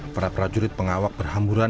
para prajurit pengawak berhamburan